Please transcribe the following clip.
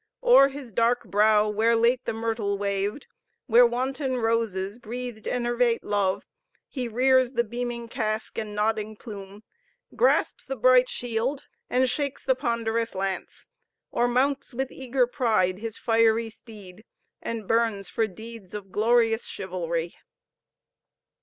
O'er his dark brow, where late the myrtle waved, where wanton roses breathed enervate love, he rears the beaming casque and nodding plume; grasps the bright shield, and shakes the ponderous lance; or mounts with eager pride his fiery steed, and burns for deeds of glorious chivalry.